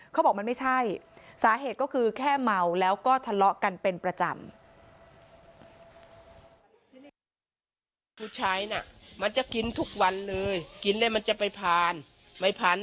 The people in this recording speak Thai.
เขาบอกมันไม่ใช่สาเหตุก็คือแค่เมาแล้วก็ทะเลาะกันเป็นประจำ